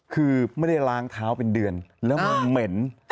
คือไม่ได้ล้างเท้าเป็นเดือนแล้วมันเหม็น